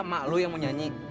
mak lu yang mau nyanyi